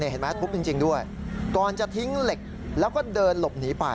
เห็นไหมทุบจริงด้วยก่อนจะทิ้งเหล็กแล้วก็เดินหลบหนีไป